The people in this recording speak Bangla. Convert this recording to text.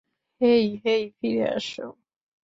হেই হেই ফিরে আসো।